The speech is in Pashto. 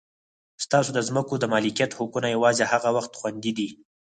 ستاسو د ځمکو د مالکیت حقونه یوازې هغه وخت خوندي دي.